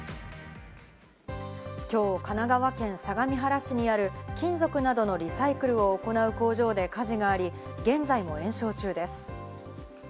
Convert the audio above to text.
きょう神奈川県相模原市にある金属などのリサイクルを行う工場で火事があり、現在も延焼中です。